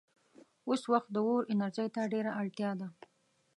اوس وخت د اور انرژۍ ته ډېره اړتیا ده.